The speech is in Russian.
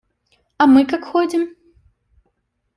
А мы как ходим?